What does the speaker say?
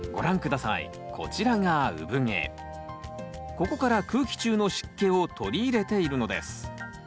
ここから空気中の湿気を取り入れているのです。